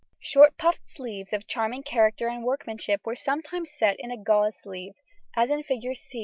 Short puffed sleeves of charming character and workmanship were sometimes set in a gauze sleeve, as in Fig.